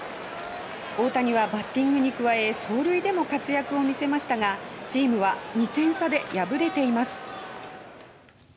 大谷はバッティングに加え走塁でも活躍を見せましたがチームは２点差で敗れています。